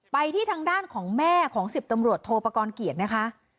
ไปที่ทางด้านของแม่ของ๑๐ตำรวจโทปกรณ์เกียรตินะคะ